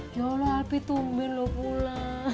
ya allah albi tumben lo pulang